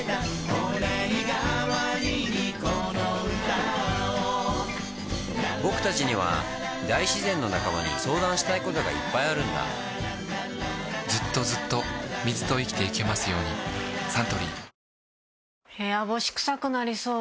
御礼がわりにこの歌をぼくたちには大自然の仲間に相談したいことがいっぱいあるんだずっとずっと水と生きてゆけますようにサントリー部屋干しクサくなりそう。